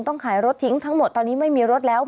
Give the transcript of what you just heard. ขายรถทิ้งทั้งหมดตอนนี้ไม่มีรถแล้ว